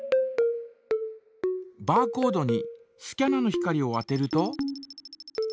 バーコードにスキャナの光を当てると。